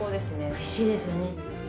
おいしいですよね。